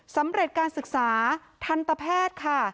สำเร็จการศึกษาทันตแพทย์ค่ะ